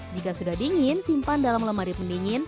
jika sudah dingin simpan dalam lemari pendingin